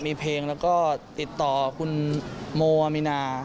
มีเพลงแล้วก็ติดต่อคุณโมอามีนา